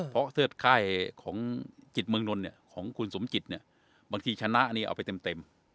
เพราะเทือดค่ายของจิตเมืองนนท์ของคุณสุมจิตบางทีชนะอันนี้เอาไปเต็ม